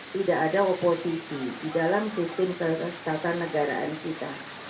tidak ada oposisi di dalam sistem kesejahteraan negaraan kita